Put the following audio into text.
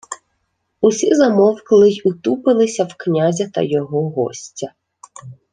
Усі замовкли й утупилися в князя та його гостя.